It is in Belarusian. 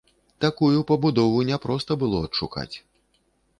Такую пабудову няпроста было адшукаць.